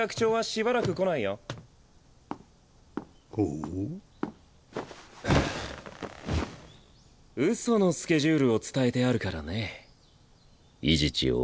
うそのスケジュールを伝えてあるからね。